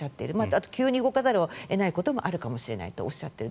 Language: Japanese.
あと急に動かざるを得ないこともあるかもしれないとおっしゃっている。